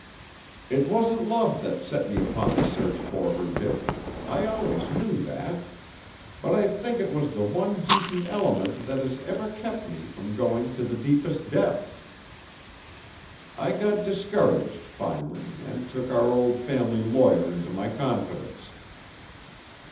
It wasn't love that set me upon the search for her, Dick, I always knew that; but I think it was the one decent element that has ever kept me from going to the deepest depths. I got discouraged, finally, and took our old family lawyer into my confidence."